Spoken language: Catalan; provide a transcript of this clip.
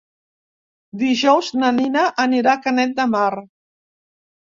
Dijous na Nina anirà a Canet de Mar.